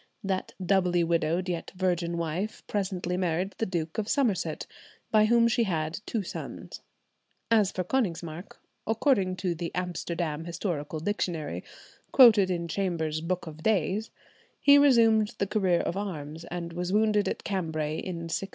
That doubly widowed yet virgin wife presently married the Duke of Somerset, by whom she had two sons. As for Konigsmark, according to the "Amsterdam Historical Dictionary," quoted in Chambers's "Book of Days," he resumed the career of arms, and was wounded at Cambray in 1683.